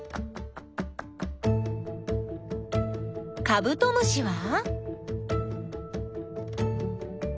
カブトムシは？